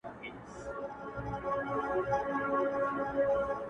o نو نن.